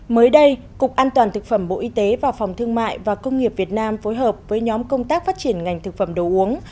mới đây cục an toàn thực phẩm bộ y tế và phòng thương mại và công nghiệp việt nam phối hợp với nhóm công tác phát triển ngành thực phẩm đồ uống